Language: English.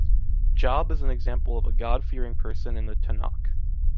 Job is an example of a God-fearing person in the Tanach.